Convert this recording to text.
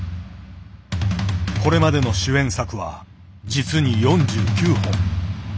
これまでの主演作は実に４９本。